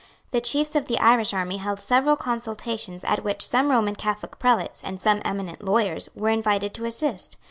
The chiefs of the Irish army held several consultations at which some Roman Catholic prelates and some eminent lawyers were invited to assist.